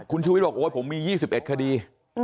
คุณชูวิทย์บอกโอ๊ยผมมี๒๑คดี